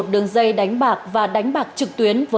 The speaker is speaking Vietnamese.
đánh bạc và đánh bạc trực tuyến